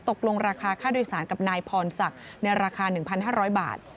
ตกลงราคาค่าโดยสารกับนายพรศักดิ์ในราคา๑๕๐๐บาท